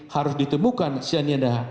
harus ditemukan cyanida